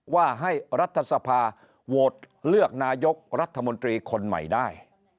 ว่าให้รัฐสภาโหวตเลือกนายกรัฐมนตรีคนใหม่ได้